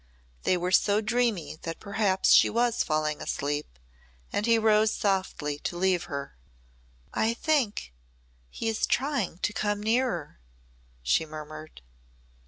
They were so dreamy that perhaps she was falling asleep and he softly rose to leave her. "I think he is trying to come nearer," she murmured.